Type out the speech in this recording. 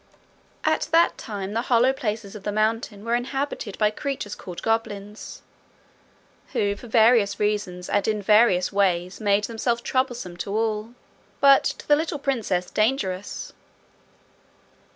At that time the hollow places of the mountain were inhabited by creatures called goblins, who for various reasons and in various ways made themselves troublesome to all, but to the little princess dangerous.